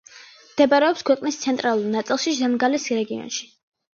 მდებარეობს ქვეყნის ცენტრალურ ნაწილში, ზემგალეს რეგიონში.